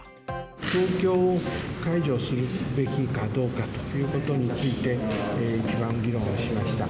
東京を解除するべきかどうかということについて、一番議論しました。